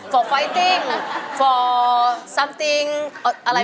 สวัสดีครับคุณหน่อย